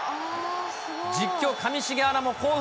実況、上重アナも興奮。